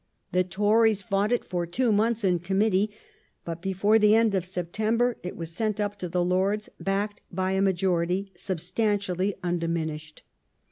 The Tories fought it for two months in Committee, but before the end of September it was sent up to the Lords backed by a majority substantially undiminished.